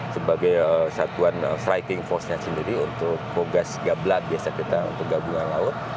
sebagai satuan striking force nya sendiri untuk kogas gablat biasa kita untuk gabungan laut